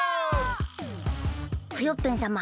クヨッペンさま